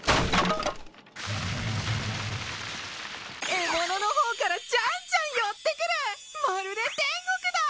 獲物の方からじゃんじゃん寄ってくるまるで天国だ！